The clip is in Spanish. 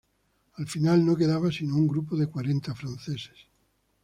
Al final no quedaba sino un grupo de cuarenta franceses.